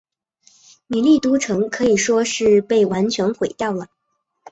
米利都城可以说是被完全毁掉了。